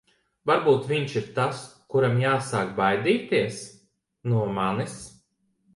Varbūt viņš ir tas, kuram jāsāk baidīties... no manis.